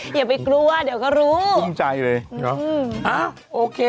อย่าไปกลัวเดี๋ยวก็รู้คุ้มใจเลยหรือเปล่าอืม